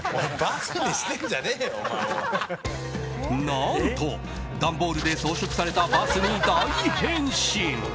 何と段ボールで装飾されたバスに大変身。